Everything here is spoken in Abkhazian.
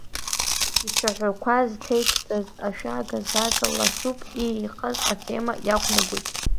Ицәаҳәақәа зҭеигӡаз ашәага-зага ласуп, иигаз атема иақәнагоит.